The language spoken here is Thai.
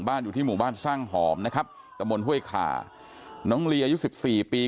อยู่ที่หมู่บ้านสร้างหอมนะครับตะมนต์ห้วยขาน้องลีอายุสิบสี่ปี